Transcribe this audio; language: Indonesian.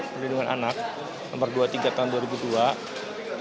perlindungan anak nomor dua puluh tiga tahun dua ribu dua